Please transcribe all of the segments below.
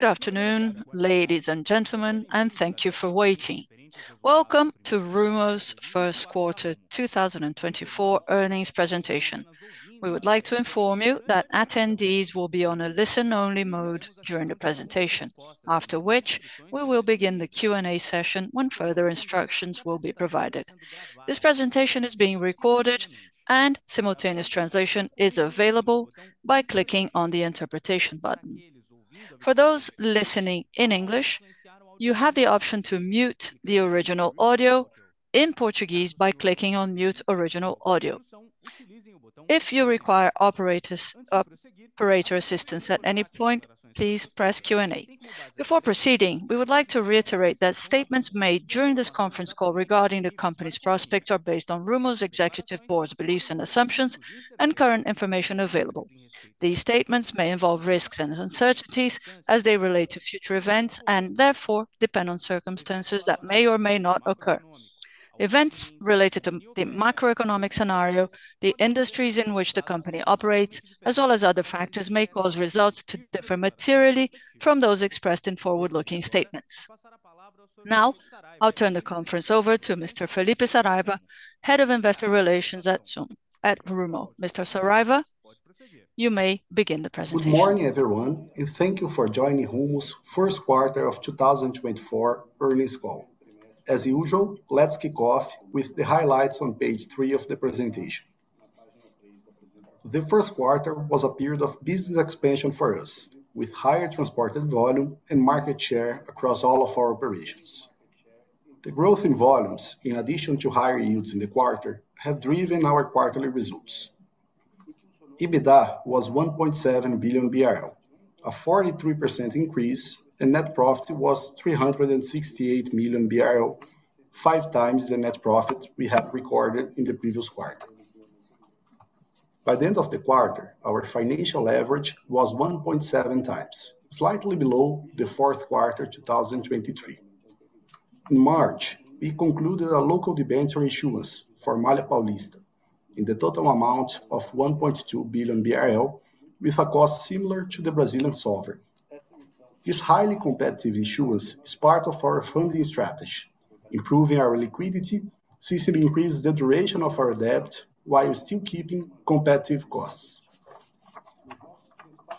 Good afternoon, ladies and gentlemen, and thank you for waiting. Welcome to Rumo's Q1 2024 earnings presentation. We would like to inform you that attendees will be on a listen-only mode during the presentation, after which we will begin the Q&A session when further instructions will be provided. This presentation is being recorded, and simultaneous translation is available by clicking on the interpretation button. For those listening in English, you have the option to mute the original audio in Portuguese by clicking on "Mute Original Audio." If you require operator assistance at any point, please press Q&A. Before proceeding, we would like to reiterate that statements made during this conference call regarding the company's prospects are based on Rumo's Executive Board's beliefs and assumptions, and current information available. These statements may involve risks and uncertainties as they relate to future events and, therefore, depend on circumstances that may or may not occur. Events related to the macroeconomic scenario, the industries in which the company operates, as well as other factors may cause results to differ materially from those expressed in forward-looking statements. Now, I'll turn the conference over to Mr. Felipe Saraiva, Head of Investor Relations at Rumo. Mr. Saraiva, you may begin the presentation. Good morning, everyone, and thank you for joining Rumo's Q1 of 2024 earnings call. As usual, let's kick off with the highlights on page 3 of the presentation. The Q1 was a period of business expansion for us, with higher transported volume and market share across all of our operations. The growth in volumes, in addition to higher yields in the quarter, have driven our quarterly results. EBITDA was 1.7 billion BRL, a 43% increase, and net profit was 368 million BRL, 5x the net profit we had recorded in the previous quarter. By the end of the quarter, our financial leverage was 1.7x, slightly below the Q4 2023. In March, we concluded a local debenture issuance for Malha Paulista in the total amount of 1.2 billion BRL, with a cost similar to the Brazilian sovereign. This highly competitive issuance is part of our funding strategy, improving our liquidity since it increases the duration of our debt while still keeping competitive costs.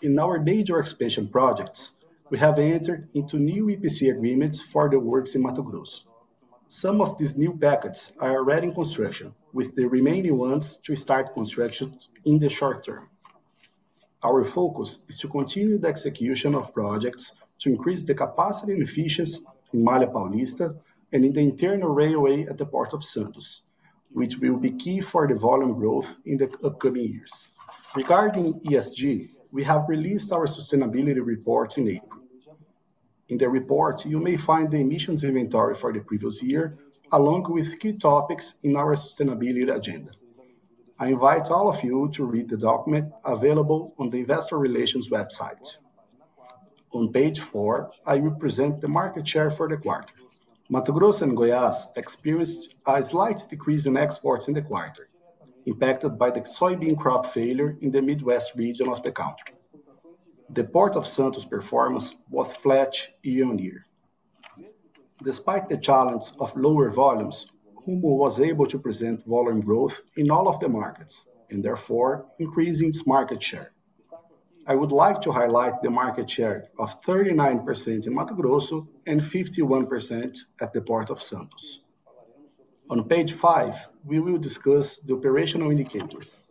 In our major expansion projects, we have entered into new EPC agreements for the works in Mato Grosso. Some of these new packages are already in construction, with the remaining ones to start construction in the short term. Our focus is to continue the execution of projects to increase the capacity and efficiency in Malha Paulista and in the internal railway at the Port of Santos, which will be key for the volume growth in the upcoming years. Regarding ESG, we have released our sustainability report in April. In the report, you may find the emissions inventory for the previous year, along with key topics in our sustainability agenda. I invite all of you to read the document available on the Investor Relations website. On page four, I represent the market share for the quarter. Mato Grosso and Goiás experienced a slight decrease in exports in the quarter, impacted by the soybean crop failure in the Midwest region of the country. The Port of Santos' performance was flat year-on-year. Despite the challenge of lower volumes, Rumo was able to present volume growth in all of the markets, and therefore increasing its market share. I would like to highlight the market share of 39% in Mato Grosso and 51% at the Port of Santos. On page five, we will discuss the operational indicators.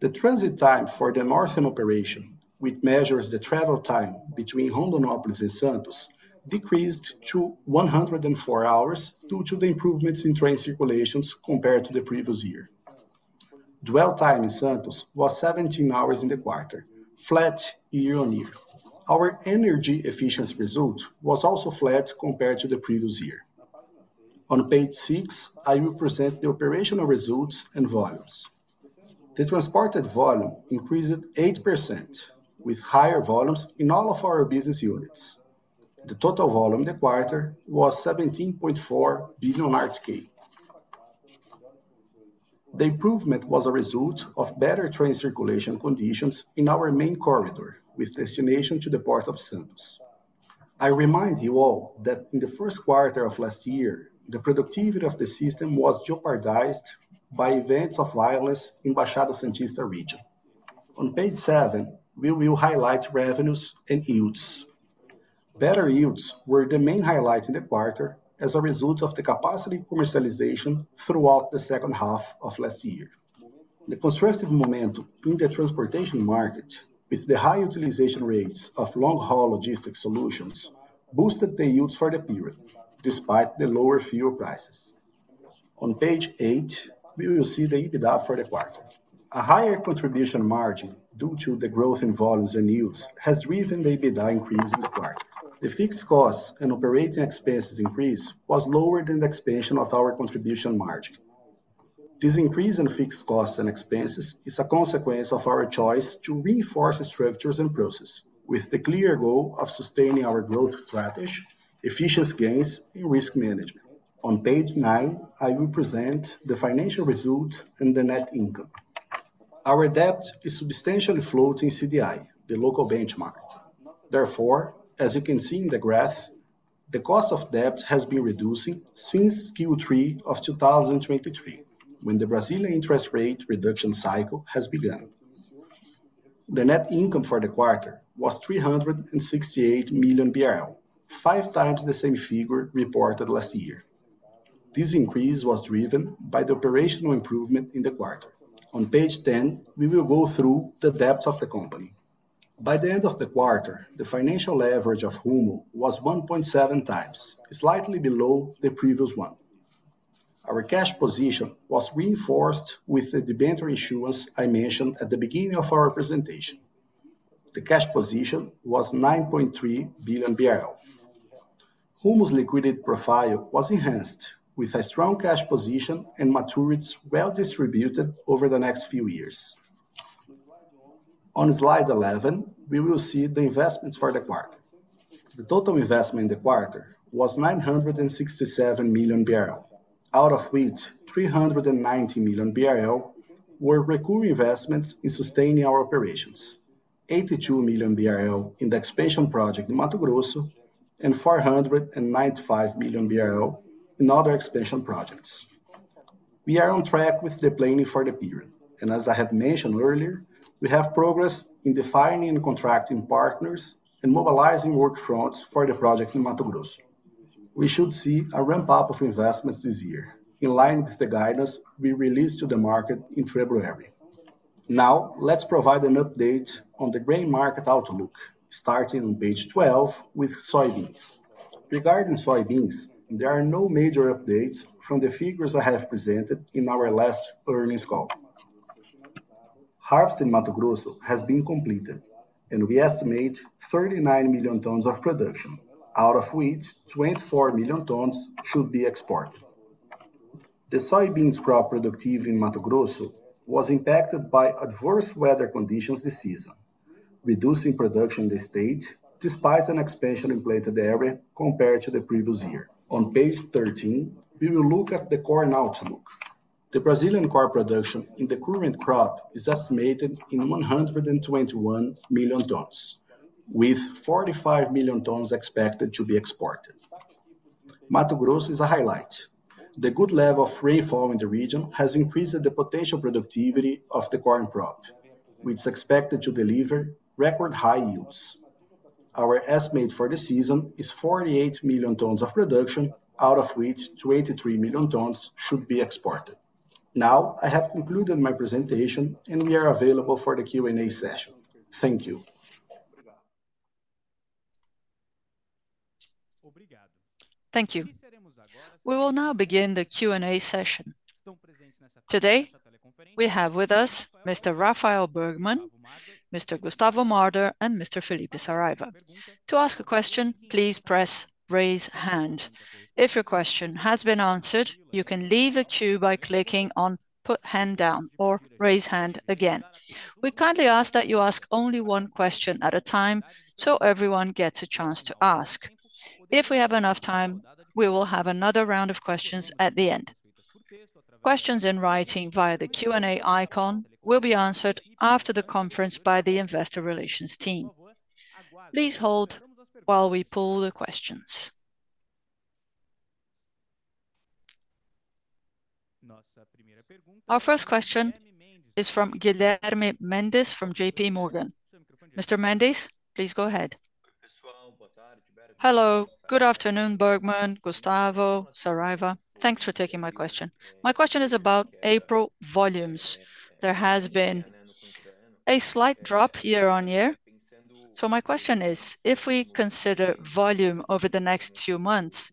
The transit time for the northern operation, which measures the travel time between Rondonópolis and Santos, decreased to 104 hours due to the improvements in train circulations compared to the previous year. Dwell time in Santos was 17 hours in the quarter, flat year-on-year. Our energy efficiency result was also flat compared to the previous year. On page six, I will present the operational results and volumes. The transported volume increased 8%, with higher volumes in all of our business units. The total volume in the quarter was 17.4 billion RTK. The improvement was a result of better train circulation conditions in our main corridor with destination to the Port of Santos. I remind you all that in the Q1 of last year, the productivity of the system was jeopardized by events of violence in the Baixada Santista region. On page seven, we will highlight revenues and yields. Better yields were the main highlight in the quarter as a result of the capacity commercialization throughout the H2 of last year. The constructive momentum in the transportation market, with the high utilization rates of long-haul logistics solutions, boosted the yields for the period, despite the lower fuel prices. On page 8, we will see the EBITDA for the quarter. A higher contribution margin due to the growth in volumes and yields has driven the EBITDA increase in the quarter. The fixed costs and operating expenses increase was lower than the expansion of our contribution margin. This increase in fixed costs and expenses is a consequence of our choice to reinforce structures and processes, with the clear goal of sustaining our growth strategy, efficiency gains, and risk management. On page nine, I will present the financial result and the net income. Our debt is substantially floating CDI, the local benchmark. Therefore, as you can see in the graph, the cost of debt has been reducing since Q3 of 2023, when the Brazilian interest rate reduction cycle has begun. The net income for the quarter was 368 million BRL, five times the same figure reported last year. This increase was driven by the operational improvement in the quarter. On page 10, we will go through the debt of the company. By the end of the quarter, the financial leverage of Rumo was 1.7x, slightly below the previous one. Our cash position was reinforced with the debenture issuance I mentioned at the beginning of our presentation. The cash position was 9.3 billion. Rumo's liquidity profile was enhanced with a strong cash position and maturities well distributed over the next few years. On slide 11, we will see the investments for the quarter. The total investment in the quarter was 967 million, out of which 390 million were recurring investments in sustaining our operations, 82 million in the expansion project in Mato Grosso, and 495 million in other expansion projects. We are on track with the planning for the period, and as I had mentioned earlier, we have progress in defining and contracting partners and mobilizing work fronts for the project in Mato Grosso. We should see a ramp-up of investments this year, in line with the guidance we released to the market in February. Now, let's provide an update on the grain market outlook, starting on page 12 with soybeans. Regarding soybeans, there are no major updates from the figures I have presented in our last earnings call. Harvest in Mato Grosso has been completed, and we estimate 39 million tons of production, out of which 24 million tons should be exported. The soybean crop productivity in Mato Grosso was impacted by adverse weather conditions this season, reducing production in the state despite an expansion in planted area compared to the previous year. On page 13, we will look at the corn outlook. The Brazilian corn production in the current crop is estimated in 121 million tons, with 45 million tons expected to be exported. Mato Grosso is a highlight. The good level of rainfall in the region has increased the potential productivity of the corn crop, which is expected to deliver record high yields. Our estimate for the season is 48 million tons of production, out of which 23 million tons should be exported. Now, I have concluded my presentation, and we are available for the Q&A session. Thank you. Thank you. We will now begin the Q&A session. Today, we have with us Mr. Rafael Bergman, Mr. Gustavo Marder, and Mr. Felipe Saraiva. To ask a question, please press "Raise Hand." If your question has been answered, you can leave the queue by clicking on "Put Hand Down" or "Raise Hand" again. We kindly ask that you ask only one question at a time so everyone gets a chance to ask. If we have enough time, we will have another round of questions at the end. Questions in writing via the Q&A icon will be answered after the conference by the Investor Relations team. Please hold while we pull the questions. Our first question is from Guilherme Mendes from JPMorgan. Mr. Mendes, please go ahead. Hello. Good afternoon, Bergman, Gustavo, Saraiva. Thanks for taking my question. My question is about April volumes. There has been a slight drop year-on-year, so my question is: if we consider volume over the next few months,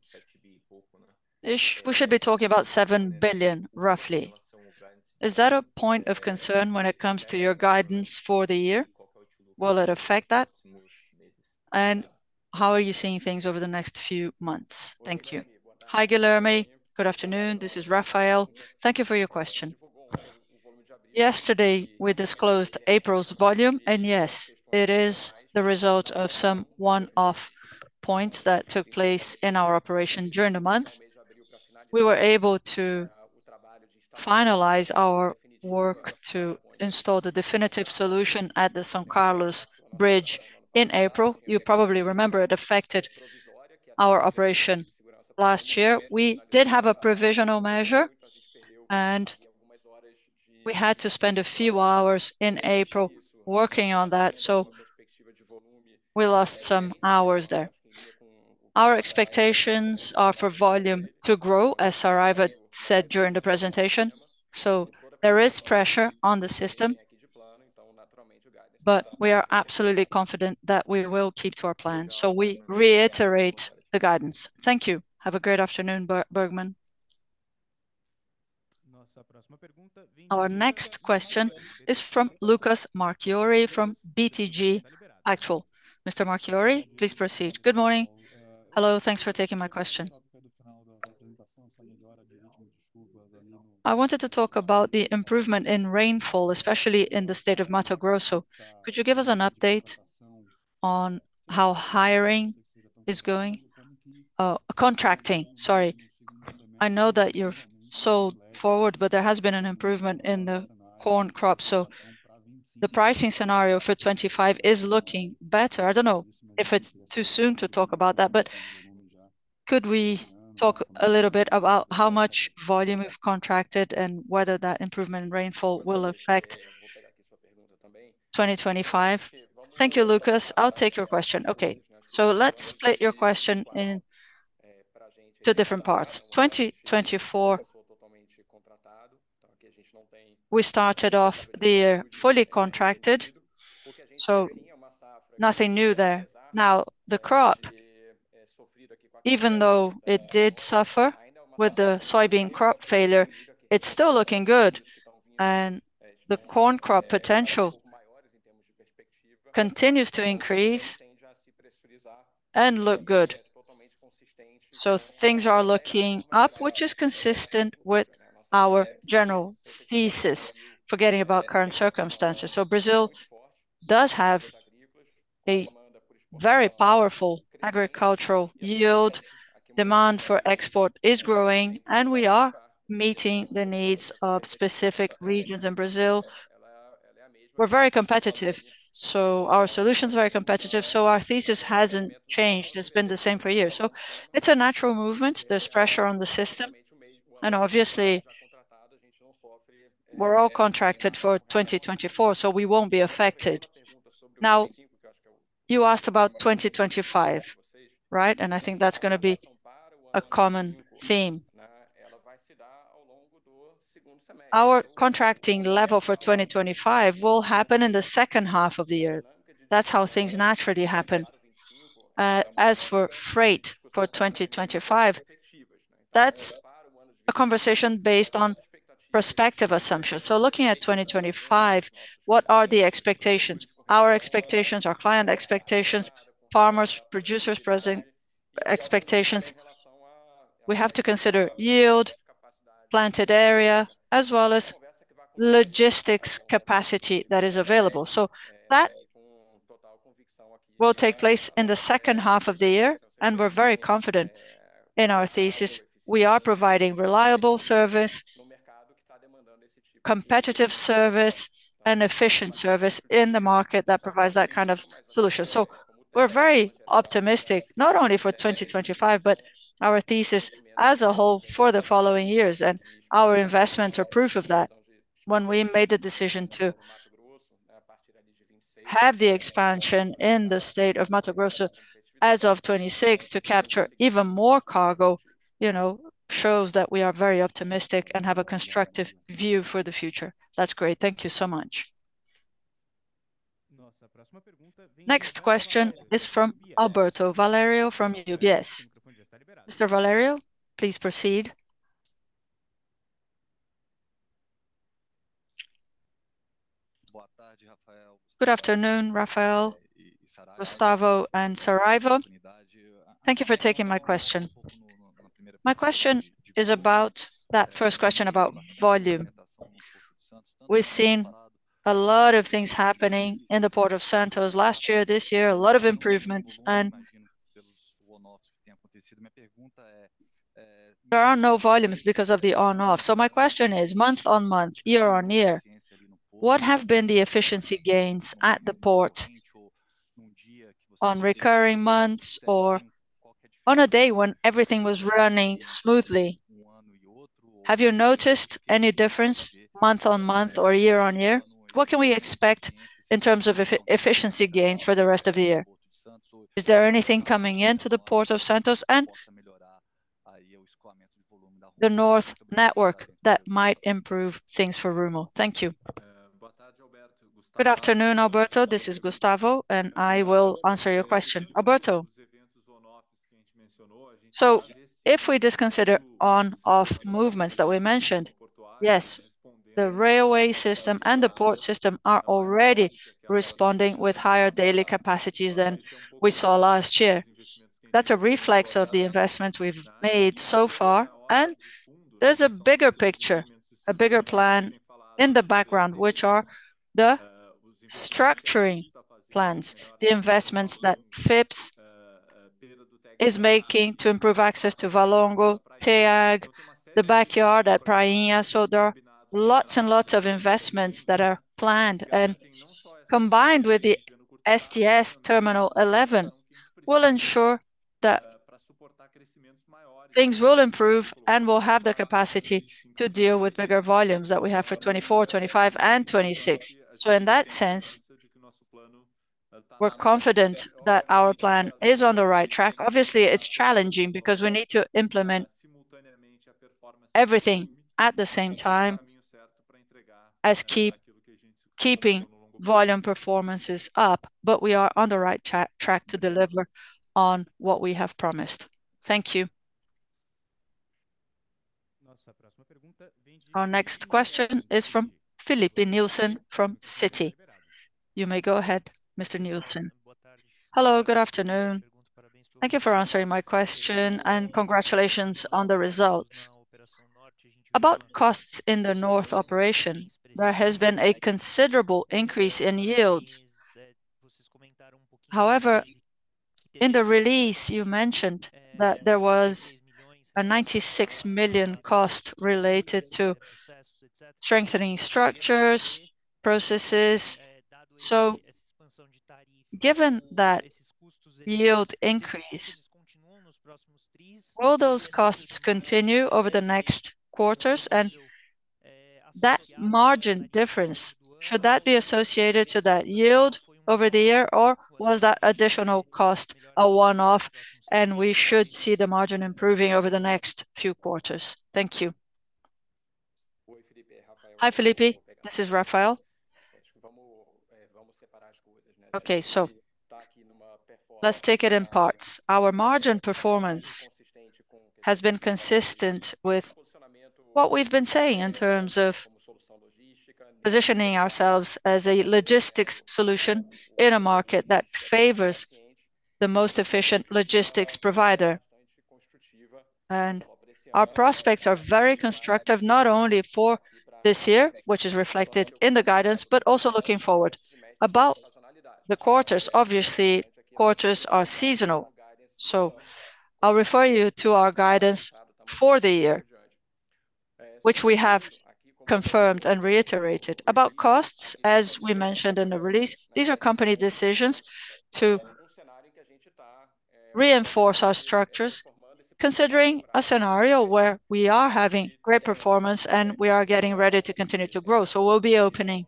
we should be talking about 7 billion, roughly. Is that a point of concern when it comes to your guidance for the year? Will it affect that? And how are you seeing things over the next few months? Thank you. Hi, Guilherme. Good afternoon. This is Rafael. Thank you for your question. Yesterday, we disclosed April's volume, and yes, it is the result of some one-off points that took place in our operation during the month. We were able to finalize our work to install the definitive solution at the São Carlos Bridge in April. You probably remember it affected our operation last year. We did have a provisional measure, and we had to spend a few hours in April working on that, so we lost some hours there. Our expectations are for volume to grow, as Saraiva said during the presentation, so there is pressure on the system. But we are absolutely confident that we will keep to our plan, so we reiterate the guidance. Thank you. Have a great afternoon, Bergman. Our next question is from Lucas Marquiori from BTG Pactual. Mr. Marquiori, please proceed. Good morning. Hello. Thanks for taking my question. I wanted to talk about the improvement in rainfall, especially in the state of Mato Grosso. Could you give us an update on how hiring is going? Contracting, sorry. I know that you're so forward, but there has been an improvement in the corn crop, so the pricing scenario for 2025 is looking better. I don't know if it's too soon to talk about that, but could we talk a little bit about how much volume we've contracted and whether that improvement in rainfall will affect 2025? Thank you, Lucas. I'll take your question. Okay. Let's split your question into different parts. We started off the year fully contracted, so nothing new there. Now, the crop, even though it did suffer with the soybean crop failure, it's still looking good, and the corn crop potential continues to increase and look good. So things are looking up, which is consistent with our general thesis, forgetting about current circumstances. So Brazil does have a very powerful agricultural yield. Demand for export is growing, and we are meeting the needs of specific regions in Brazil. We're very competitive, so our solution is very competitive, so our thesis hasn't changed. It's been the same for years. So it's a natural movement. There's pressure on the system, and obviously, we're all contracted for 2024, so we won't be affected. Now, you asked about 2025, right? And I think that's going to be a common theme. Our contracting level for 2025 will happen in the H2 of the year. That's how things naturally happen. As for freight for 2025, that's a conversation based on prospective assumptions. So looking at 2025, what are the expectations? Our expectations, our client expectations, farmers, producers' expectations. We have to consider yield, planted area, as well as logistics capacity that is available. So that will take place in the H2 of the year, and we're very confident in our thesis. We are providing reliable service, competitive service, and efficient service in the market that provides that kind of solution. So we're very optimistic, not only for 2025, but our thesis as a whole for the following years, and our investments are proof of that when we made the decision to have the expansion in the state of Mato Grosso as of 2026 to capture even more cargo. You know, shows that we are very optimistic and have a constructive view for the future. That's great. Thank you so much. Next question is from Alberto Valerio from UBS. Mr. Valerio, please proceed. Good afternoon, Rafael, Gustavo, and Saraiva. Thank you for taking my question. My question is about that first question about volume. We've seen a lot of things happening in the Port of Santos last year, this year, a lot of improvements, and our volumes because of the on-off. So my question is, month-on-month, year-on-year, what have been the efficiency gains at the port on recurring months or on a day when everything was running smoothly? Have you noticed any difference month-on-month or year-on-year? What can we expect in terms of efficiency gains for the rest of the year? Is there anything coming into the Port of Santos and the North Network that might improve things for Rumo? Thank you. Good afternoon, Alberto. This is Gustavo, and I will answer your question. Alberto, so if we disregard on-off movements that we mentioned, yes, the railway system and the port system are already responding with higher daily capacities than we saw last year. That's a reflection of the investments we've made so far, and there's a bigger picture, a bigger plan in the background, which are the structuring plans, the investments that FIPS is making to improve access to Valongo, TEAG, the backyard at Prainha. So there are lots and lots of investments that are planned, and combined with the STS11, will ensure that things will improve and we'll have the capacity to deal with bigger volumes that we have for 2024, 2025, and 2026. So in that sense, we're confident that our plan is on the right track. Obviously, it's challenging because we need to implement everything at the same time as keeping volume performances up, but we are on the right track to deliver on what we have promised. Thank you. Our next question is from Filipe Nielsen from Citi. You may go ahead, Mr. Nielsen. Hello. Good afternoon. Thank you for answering my question, and congratulations on the results. About costs in the northern operation, there has been a considerable increase in yield. However, in the release, you mentioned that there was a 96 million cost related to strengthening structures, processes. So given that yield increase, will those costs continue over the next quarters? And that margin difference, should that be associated to that yield over the year, or was that additional cost a one-off and we should see the margin improving over the next few quarters? Thank you. Hi, Filipe. This is Rafael. Okay. Let's take it in parts. Our margin performance has been consistent with what we've been saying in terms of positioning ourselves as a logistics solution in a market that favors the most efficient logistics provider. Our prospects are very constructive, not only for this year, which is reflected in the guidance, but also looking forward. About the quarters, obviously, quarters are seasonal, so I'll refer you to our guidance for the year, which we have confirmed and reiterated. About costs, as we mentioned in the release, these are company decisions to reinforce our structures, considering a scenario where we are having great performance and we are getting ready to continue to grow. We'll be opening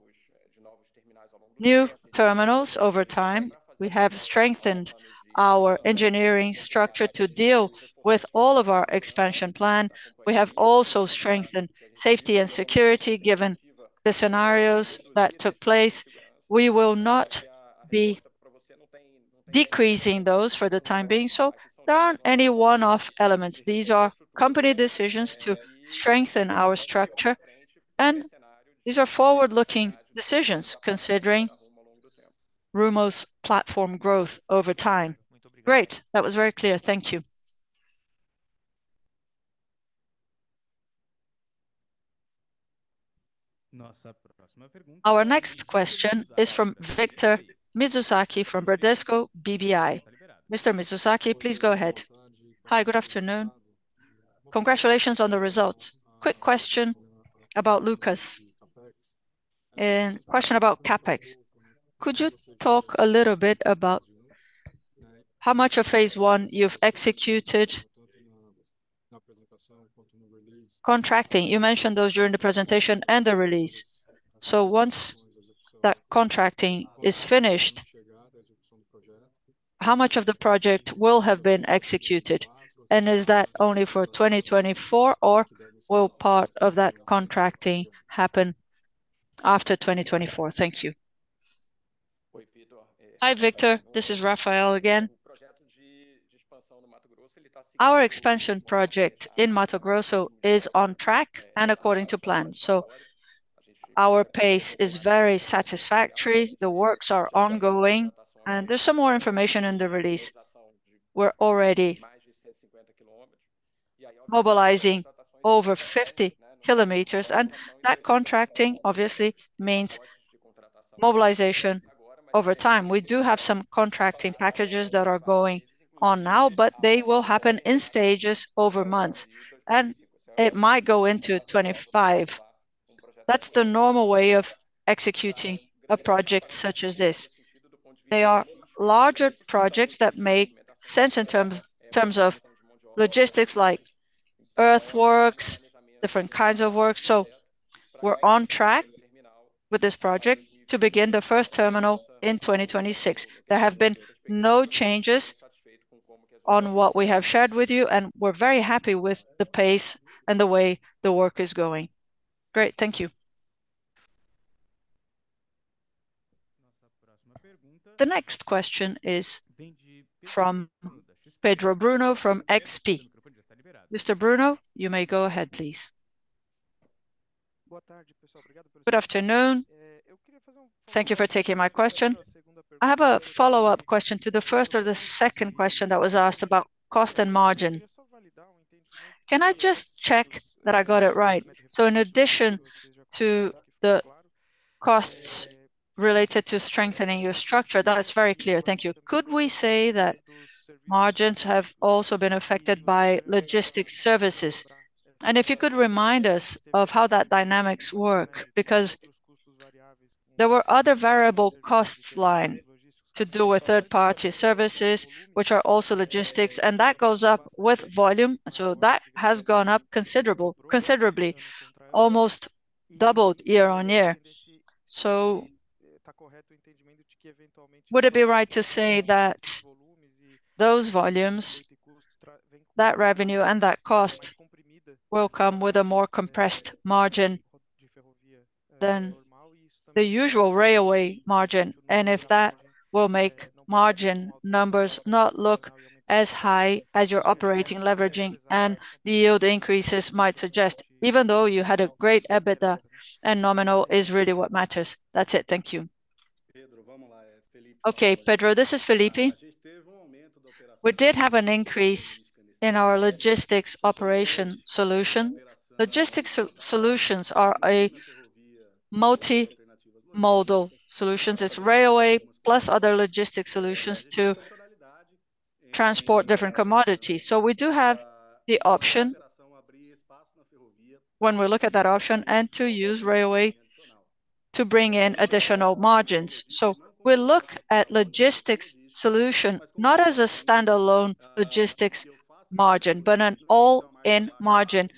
new terminals over time. We have strengthened our engineering structure to deal with all of our expansion plan. We have also strengthened safety and security given the scenarios that took place. We will not be decreasing those for the time being. So there aren't any one-off elements. These are company decisions to strengthen our structure, and these are forward-looking decisions considering Rumo's platform growth over time. Great. That was very clear. Thank you. Our next question is from Victor Mizusaki from Bradesco BBI. Mr. Mizusaki, please go ahead. Hi. Good afternoon. Congratulations on the results. Quick question about execution. Question about CapEx. Could you talk a little bit about how much of Phase 1 you've executed? Contracting. You mentioned those during the presentation and the release. So once that contracting is finished, how much of the project will have been executed, and is that only for 2024, or will part of that contracting happen after 2024? Thank you. Hi, Victor. This is Rafael again. Our expansion project in Mato Grosso is on track and according to plan. So our pace is very satisfactory. The works are ongoing, and there's some more information in the release. We're already mobilizing over 50 kilometers, and that contracting, obviously, means mobilization over time. We do have some contracting packages that are going on now, but they will happen in stages over months, and it might go into 2025. That's the normal way of executing a project such as this. They are larger projects that make sense in terms of logistics, like earthworks, different kinds of works. So we're on track with this project to begin the first terminal in 2026. There have been no changes on what we have shared with you, and we're very happy with the pace and the way the work is going. Great. Thank you. The next question is from Pedro Bruno from XP. Mr. Bruno, you may go ahead, please. Good afternoon. Thank you for taking my question. I have a follow-up question to the first or the second question that was asked about cost and margin. Can I just check that I got it right? So in addition to the costs related to strengthening your structure, that's very clear. Thank you. Could we say that margins have also been affected by logistics services? And if you could remind us of how that dynamics work, because there were other variable costs linked to do with third-party services, which are also logistics, and that goes up with volume. So that has gone up considerably, almost doubled year-over-year. So would it be right to say that those volumes, that revenue, and that cost will come with a more compressed margin than the usual railway margin, and if that will make margin numbers not look as high as you're operating, leveraging, and the yield increases might suggest, even though you had a great EBITDA and nominal is really what matters? That's it. Thank you. Okay, Pedro. This is Felipe. We did have an increase in our logistics operational solution. Logistics solutions are multi-modal solutions. It's railway plus other logistics solutions to transport different commodities. So we do have the option when we look at that option and to use railway to bring in additional margins. So we look at logistics solution not as a standalone logistics margin, but an all-in margin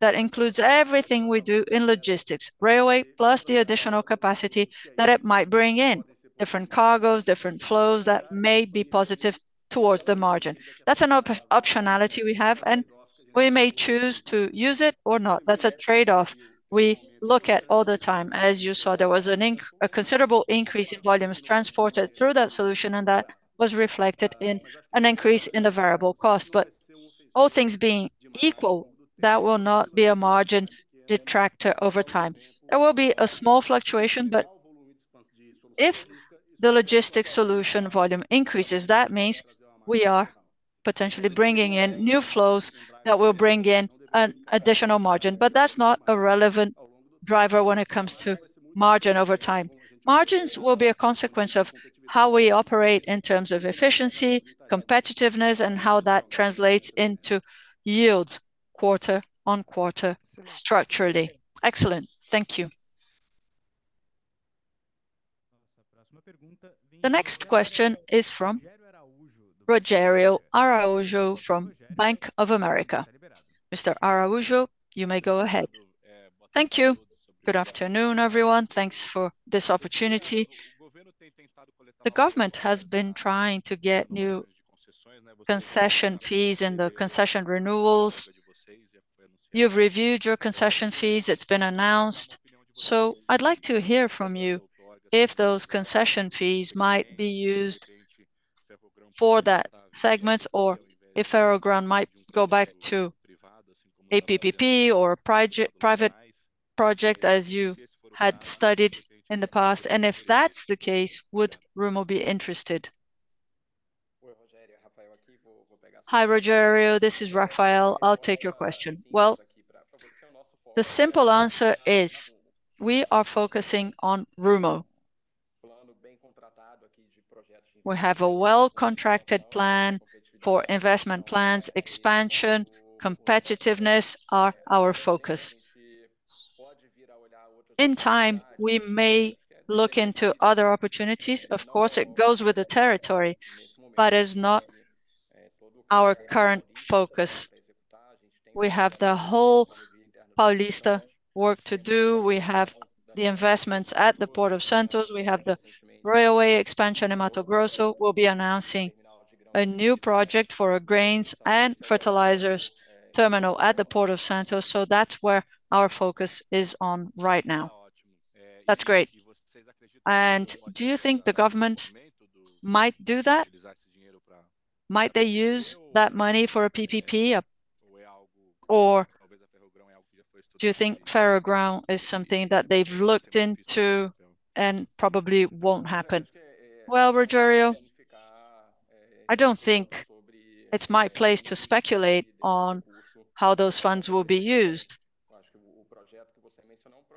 that includes everything we do in logistics, railway plus the additional capacity that it might bring in, different cargoes, different flows that may be positive towards the margin. That's an optionality we have, and we may choose to use it or not. That's a trade-off we look at all the time. As you saw, there was a considerable increase in volumes transported through that solution, and that was reflected in an increase in the variable cost. But all things being equal, that will not be a margin detractor over time. There will be a small fluctuation, but if the logistics solution volume increases, that means we are potentially bringing in new flows that will bring in an additional margin. But that's not a relevant driver when it comes to margin over time. Margins will be a consequence of how we operate in terms of efficiency, competitiveness, and how that translates into yields quarter on quarter structurally. Excellent. Thank you. The next question is from Rogério Araújo from Bank of America. Mr. Araújo, you may go ahead. Thank you. Good afternoon, everyone. Thanks for this opportunity. The government has been trying to get new concession fees and the concession renewals. You've reviewed your concession fees. It's been announced. So I'd like to hear from you if those concession fees might be used for that segment or if Ferrogrão might go back to a PPP or a private project, as you had studied in the past. And if that's the case, would Rumo be interested? Hi, Rogério. This is Rafael. I'll take your question. Well, the simple answer is we are focusing on Rumo. We have a well-contracted plan for investment plans. Expansion, competitiveness are our focus. In time, we may look into other opportunities. Of course, it goes with the territory, but is not our current focus. We have the whole Paulista work to do. We have the investments at the Port of Santos. We have the railway expansion in Mato Grosso. We'll be announcing a new project for a grains and fertilizers terminal at the Port of Santos. So that's where our focus is on right now. That's great. And do you think the government might do that? Might they use that money for a PPP? Or do you think Ferrogrão is something that they've looked into and probably won't happen? Well, Rogério, I don't think it's my place to speculate on how those funds will be used.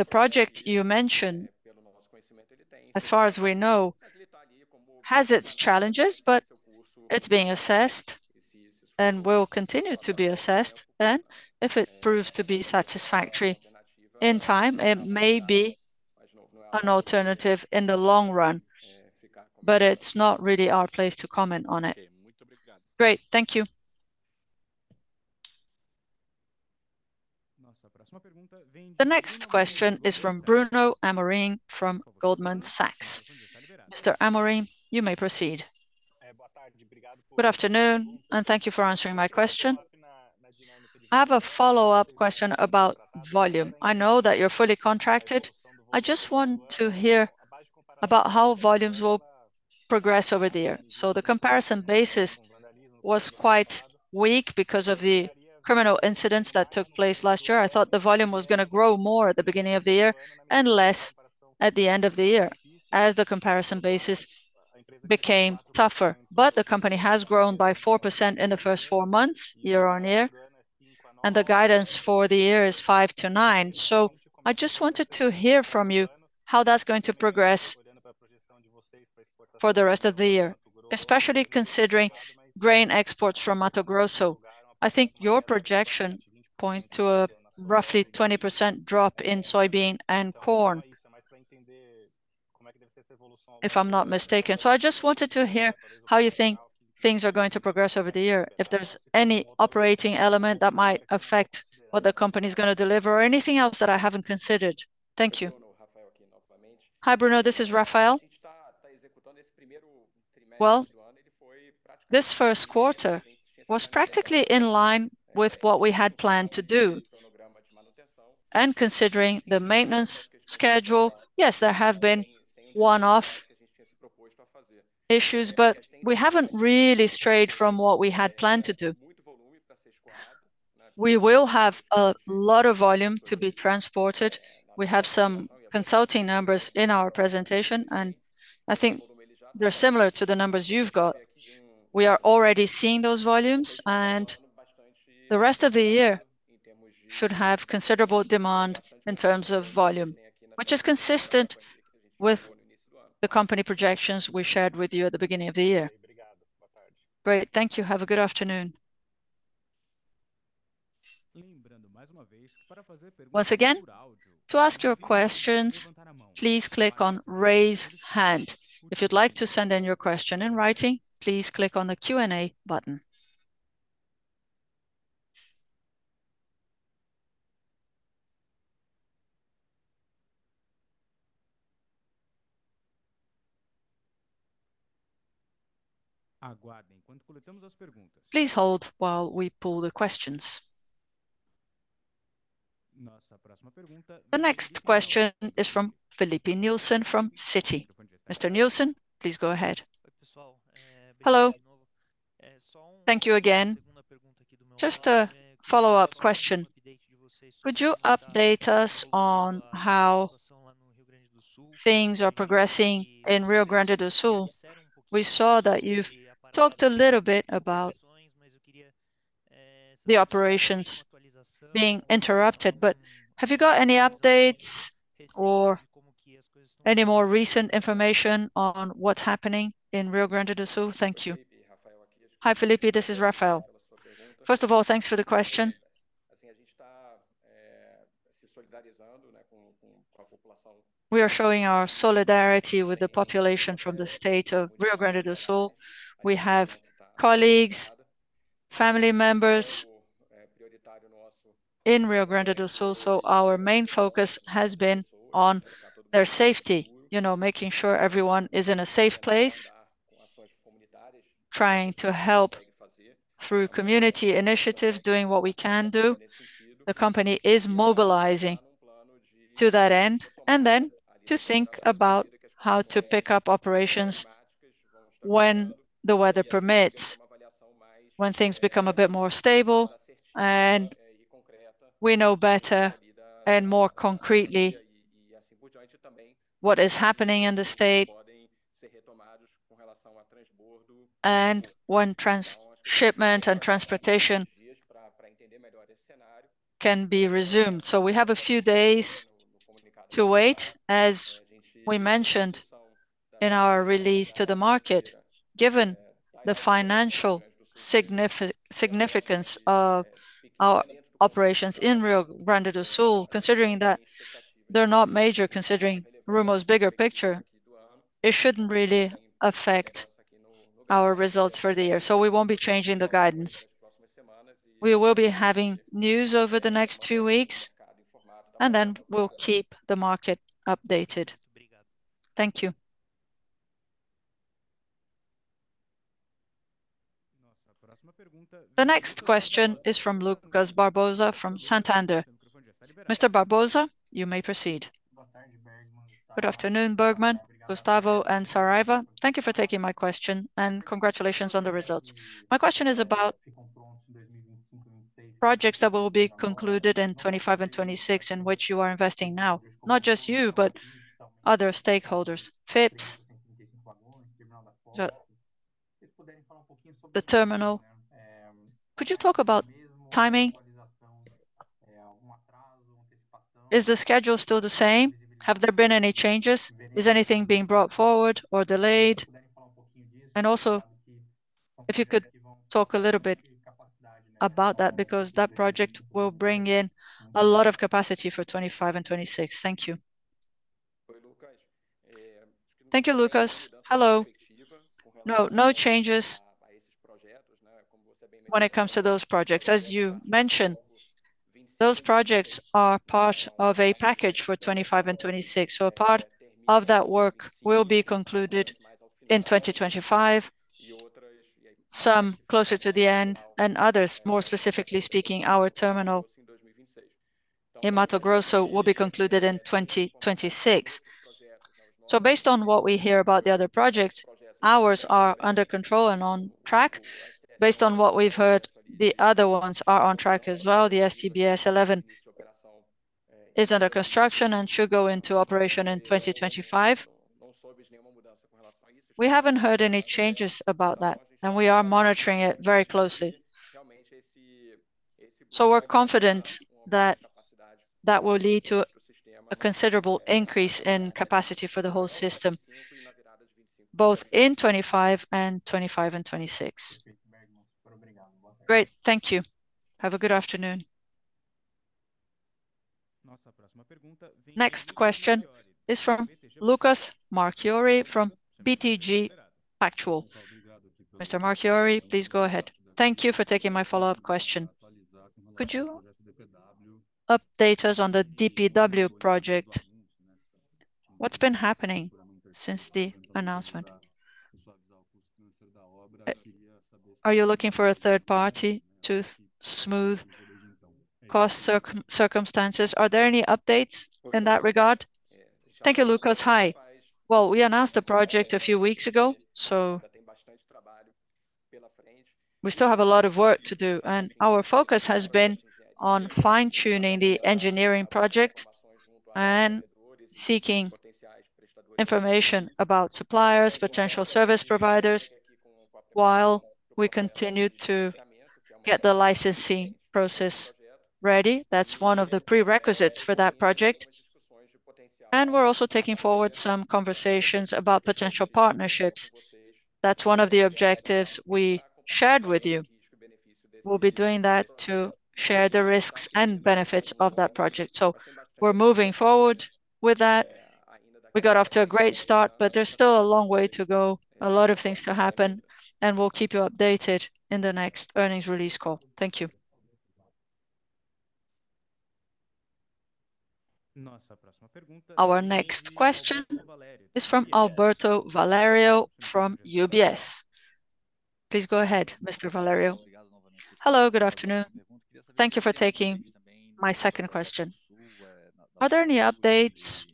The project you mentioned, as far as we know, has its challenges, but it's being assessed and will continue to be assessed. And if it proves to be satisfactory in time, it may be an alternative in the long run, but it's not really our place to comment on it. Great. Thank you. The next question is from Bruno Amorim from Goldman Sachs. Mr. Amorim, you may proceed. Good afternoon, and thank you for answering my question. I have a follow-up question about volume. I know that you're fully contracted. I just want to hear about how volumes will progress over the year. So the comparison basis was quite weak because of the criminal incidents that took place last year. I thought the volume was going to grow more at the beginning of the year and less at the end of the year as the comparison basis became tougher. But the company has grown by 4% in the first 4 months, year-over-year, and the guidance for the year is 5% to 9%. So I just wanted to hear from you how that's going to progress for the rest of the year, especially considering grain exports from Mato Grosso. I think your projection points to a roughly 20% drop in soybean and corn, if I'm not mistaken. So I just wanted to hear how you think things are going to progress over the year, if there's any operating element that might affect what the company is going to deliver or anything else that I haven't considered. Thank you. Hi, Bruno. This is Rafael. Well, this Q1 was practically in line with what we had planned to do. And considering the maintenance schedule, yes, there have been one-off issues, but we haven't really strayed from what we had planned to do. We will have a lot of volume to be transported. We have some consulting numbers in our presentation, and I think they're similar to the numbers you've got. We are already seeing those volumes, and the rest of the year should have considerable demand in terms of volume, which is consistent with the company projections we shared with you at the beginning of the year. Great. Thank you. Have a good afternoon. Once again, to ask your questions, please click on "Raise Hand." If you'd like to send in your question in writing, please click on the Q&A button. Please hold while we pull the questions. The next question is from Filipe Nielsen from Citi. Mr. Nielsen, please go ahead. Hello. Thank you again. Just a follow-up question. Could you update us on how things are progressing in Rio Grande do Sul? We saw that you've talked a little bit about the operations being interrupted, but have you got any updates or any more recent information on what's happening in Rio Grande do Sul? Thank you. Hi, Filipe. This is Rafael. First of all, thanks for the question. We are showing our solidarity with the population from the state of Rio Grande do Sul. We have colleagues, family members in Rio Grande do Sul. So our main focus has been on their safety, you know, making sure everyone is in a safe place, trying to help through community initiatives, doing what we can do. The company is mobilizing to that end. And then to think about how to pick up operations when the weather permits, when things become a bit more stable, and we know better and more concretely what is happening in the state and when shipment and transportation can be resumed. So we have a few days to wait, as we mentioned in our release to the market, given the financial significance of our operations in Rio Grande do Sul, considering that they're not major, considering Rumo's bigger picture, it shouldn't really affect our results for the year. So we won't be changing the guidance. We will be having news over the next few weeks, and then we'll keep the market updated. Thank you. The next question is from Lucas Barbosa from Santander. Mr. Barbosa, you may proceed. Good afternoon, Bergman, Gustavo, and Saraiva. Thank you for taking my question, and congratulations on the results. My question is about projects that will be concluded in 2025 and 2026 in which you are investing now, not just you, but other stakeholders. Could you talk about timing? Is the schedule still the same? Have there been any changes? Is anything being brought forward or delayed? And also, if you could talk a little bit about that, because that project will bring in a lot of capacity for 2025 and 2026. Thank you. Thank you, Lucas. Hello. No, no changes when it comes to those projects. As you mentioned, those projects are part of a package for 2025 and 2026. So a part of that work will be concluded in 2025, some closer to the end, and others, more specifically speaking, our terminal in Mato Grosso will be concluded in 2026. So based on what we hear about the other projects, ours are under control and on track. Based on what we've heard, the other ones are on track as well. The STS-11 is under construction and should go into operation in 2025. We haven't heard any changes about that, and we are monitoring it very closely. So we're confident that that will lead to a considerable increase in capacity for the whole system, both in 2025 and 2026. Great. Thank you. Have a good afternoon. Next question is from Lucas Marquiori from BTG Pactual. Mr. Marquiori, please go ahead. Thank you for taking my follow-up question. Could you update us on the DPW project? What's been happening since the announcement? Are you looking for a third party to smooth cost circumstances? Are there any updates in that regard? Thank you, Lucas. Hi. Well, we announced the project a few weeks ago. So we still have a lot of work to do, and our focus has been on fine-tuning the engineering project and seeking information about suppliers, potential service providers, while we continue to get the licensing process ready. That's one of the prerequisites for that project. And we're also taking forward some conversations about potential partnerships. That's one of the objectives we shared with you. We'll be doing that to share the risks and benefits of that project. So we're moving forward with that. We got off to a great start, but there's still a long way to go. A lot of things to happen, and we'll keep you updated in the next earnings release call. Thank you. Our next question is from Alberto Valerio from UBS. Please go ahead, Mr. Valerio. Hello. Good afternoon. Thank you for taking my second question. Are there any updates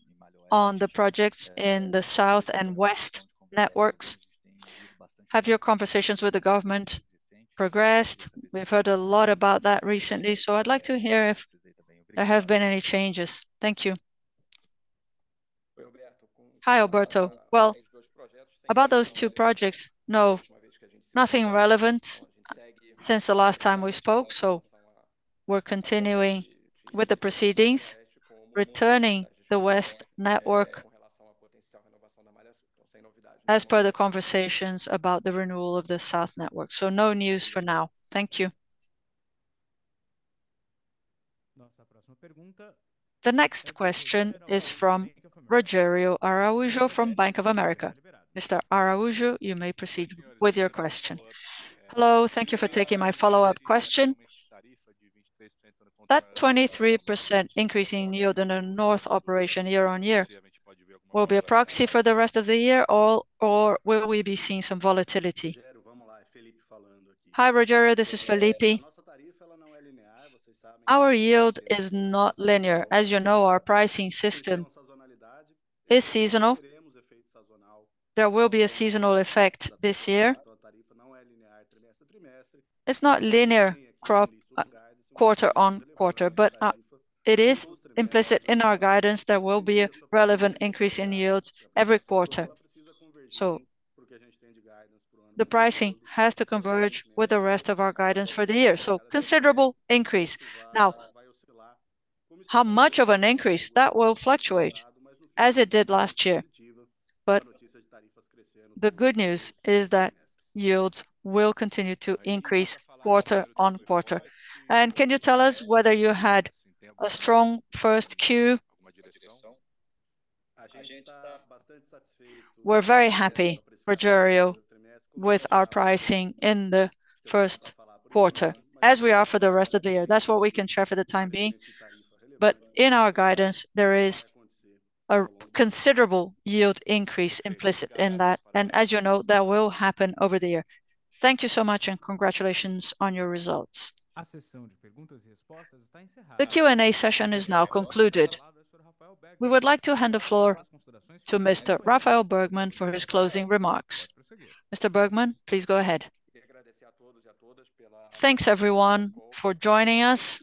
on the projects in the South and West Networks? Have your conversations with the government progressed? We've heard a lot about that recently, so I'd like to hear if there have been any changes. Thank you. Hi, Alberto. Well, about those two projects, no, nothing relevant since the last time we spoke. So we're continuing with the proceedings, returning the West Network as per the conversations about the renewal of the South Network. So no news for now. Thank you. The next question is from Rogério Araújo from Bank of America. Mr. Araújo, you may proceed with your question. Hello. Thank you for taking my follow-up question. That 23% increase in yield in the North operation year-on-year will be a proxy for the rest of the year, or will we be seeing some volatility? Hi, Rogério. This is Felipe. Our yield is not linear. As you know, our pricing system is seasonal. There will be a seasonal effect this year. It's not linear crop quarter on quarter, but it is implicit in our guidance, there will be a relevant increase in yields every quarter. So the pricing has to converge with the rest of our guidance for the year. So considerable increase. Now, how much of an increase? That will fluctuate as it did last year. But the good news is that yields will continue to increase quarter-on-quarter. And can you tell us whether you had a strong Q1? We're very happy, Rogério, with our pricing in the Q1. As we are for the rest of the year. That's what we can share for the time being. But in our guidance, there is a considerable yield increase implicit in that. And as you know, that will happen over the year. Thank you so much, and congratulations on your results. The Q&A session is now concluded. We would like to hand the floor to Mr. Rafael Bergman for his closing remarks. Mr. Bergman, please go ahead. Thanks, everyone, for joining us.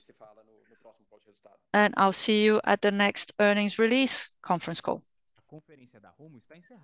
I'll see you at the next earnings release conference call.